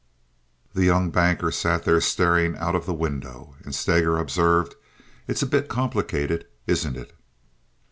The young banker sat there staring out of the window, and Steger observed, "It is a bit complicated, isn't it?"